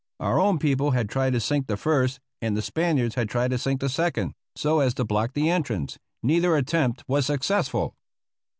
Our own people had tried to sink the first and the Spaniards had tried to sink the second, so as to block the entrance. Neither attempt was successful.